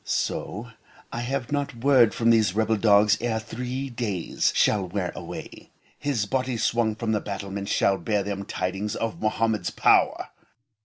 so I have not word from these rebel dogs ere three days shall wear away, his body swung from the battlements shall bear them tidings of Mohammed's power.